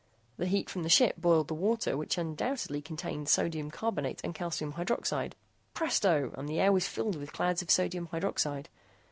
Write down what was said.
The heat from the ship boiled the water which undoubtedly contained sodium carbonate and calcium hydroxide; presto, and the air was filled with clouds of sodium hydroxide.